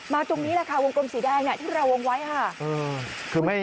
ตรงนี้แหละค่ะวงกลมสีแดงที่เราวงไว้ค่ะ